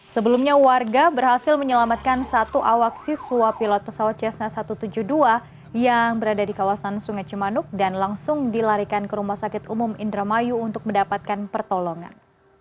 sebelumnya warga berhasil menyelamatkan satu awak siswa pilot pesawat cessna satu ratus tujuh puluh dua yang berada di kawasan sungai cimanuk dan langsung dilarikan ke rumah sakit umum indramayu untuk mendapatkan pertolongan